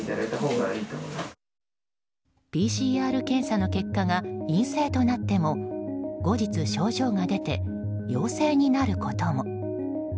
ＰＣＲ検査の結果が陰性となっても後日、症状が出て陽性になることも。